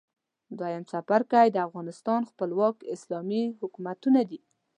دویم څپرکی د افغانستان خپلواک اسلامي حکومتونه دي.